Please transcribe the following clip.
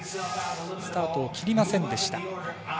スタートを切りませんでした。